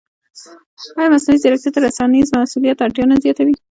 ایا مصنوعي ځیرکتیا د رسنیز مسوولیت اړتیا نه زیاتوي؟